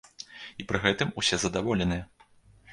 І пры гэтым усе задаволеныя!